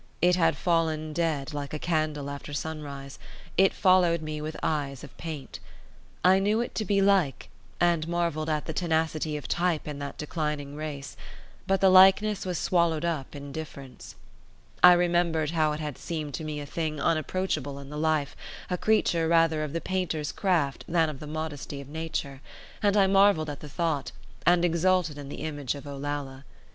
It had fallen dead, like a candle after sunrise; it followed me with eyes of paint. I knew it to be like, and marvelled at the tenacity of type in that declining race; but the likeness was swallowed up in difference. I remembered how it had seemed to me a thing unapproachable in the life, a creature rather of the painter's craft than of the modesty of nature, and I marvelled at the thought, and exulted in the image of Olalla.